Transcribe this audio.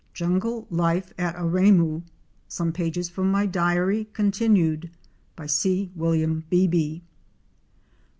JUNGLE LIFE AT AREMU. SOME PAGES FROM MY DIARY (continued). (By C. William Beebe.)